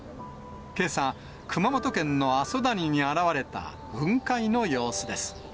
けさ、熊本県の阿蘇谷に現れた雲海の様子です。